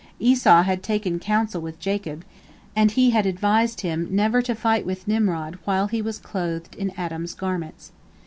Esau had taken counsel with Jacob, and he had advised him never to fight with Nimrod while he was clothed in Adam's garments.